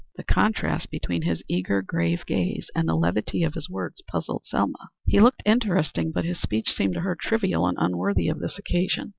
The contrast between his eager, grave gaze, and the levity of his words, puzzled Selma. He looked interesting, but his speech seemed to her trivial and unworthy of the occasion.